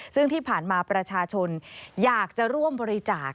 ซึ่งที่ผ่านมาประชาชนอยากจะร่วมบริจาค